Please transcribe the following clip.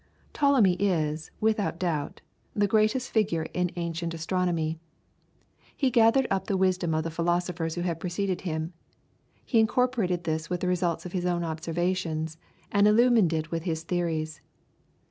Ptolemy is, without doubt, the greatest figure in ancient astronomy. He gathered up the wisdom of the philosophers who had preceded him. He incorporated this with the results of his own observations, and illumined it with his theories.